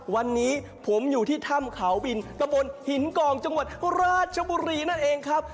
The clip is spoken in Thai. วันนี้ผมอยู่ที่ถ้ำเขาบินตะบนหินกองจังหวัดราชบุรีนั่นเองครับ